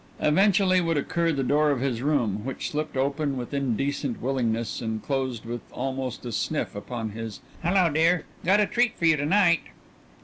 Eventually would occur the door of his room, which slipped open with indecent willingness and closed with almost a sniff upon his "Hello, dear! Got a treat for you to night."